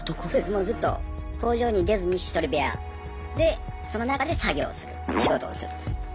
もうずっと工場に出ずに１人部屋でその中で作業をする仕事をするんです。